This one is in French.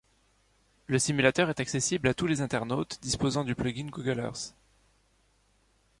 Le simulateur est accessible à tous les internautes, disposant du plugin Google Earth.